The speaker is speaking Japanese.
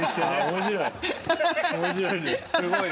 面白い。